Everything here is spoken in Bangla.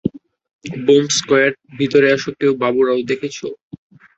বোম্ব স্কোয়াড, ভিতরে আসো কেউ বাবু রাও কে দেখেছো?